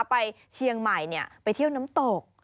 ไปเชียงใหม่ไปเที่ยวน้ำตก